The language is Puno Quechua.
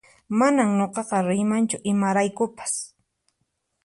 Manan nuqaqa riymanchu imaraykupas